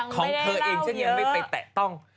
ของเธอเองฉันยังไม่ไปแตะต้อง